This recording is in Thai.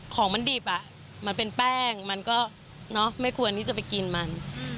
ของมันดิบมันเป็นแป้งมันก็ไม่ควรที่จะไปกินมัน